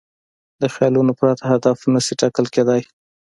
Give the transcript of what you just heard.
له خیال پرته هدف نهشي ټاکل کېدی.